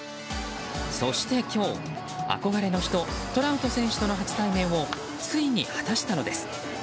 そして今日、憧れの人トラウト選手との初体面をついに果たしたのです。